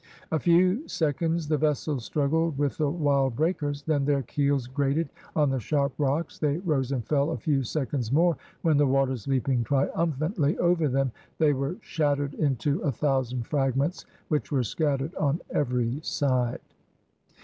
A few seconds the vessels struggled with the wild breakers, then their keels grated on the sharp rocks, they rose and fell a few seconds more, when, the waters leaping triumphantly over them, they were shattered into a thousand fragments, which were scattered on every side.